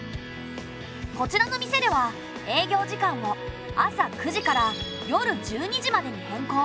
こちらの店では営業時間を朝９時から夜１２時までに変更。